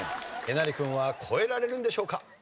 えなり君は越えられるんでしょうか？